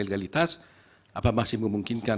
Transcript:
legalitas apa masih memungkinkan